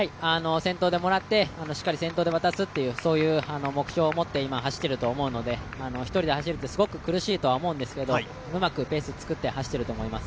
先頭でもらって、しっかり先頭で渡すという目標を持って今、走っていると思うので、一人で走るっていうのはすごく苦しいとは思うんですけど、うまくペースを作って走っていると思います。